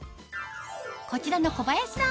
こちらの小林さん